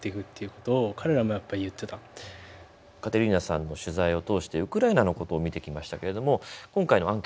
カテリーナさんの取材を通してウクライナのことを見てきましたけれども今回のアンケート